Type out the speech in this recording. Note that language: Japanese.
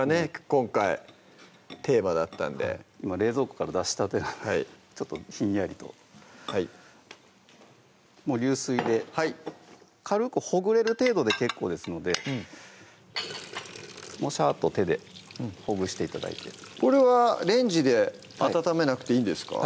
今回テーマだったんで今冷蔵庫から出したてなんでちょっとひんやりともう流水ではい軽くほぐれる程度で結構ですのでシャーッと手でほぐして頂いてこれはレンジで温めなくていいんですか？